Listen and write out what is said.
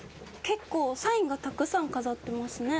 結構サインがたくさん飾ってますね。